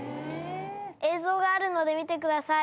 映像があるので見てください